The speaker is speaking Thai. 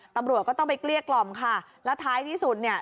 ตำรวจก็ต้องไปเกลี้ยกล่อมค่ะแล้วท้ายที่สุดเนี่ย